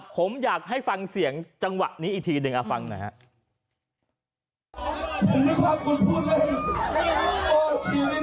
ผมอยากให้ฟังเสียงจังหวะนี้อีกทีหนึ่งฟังหน่อยครับ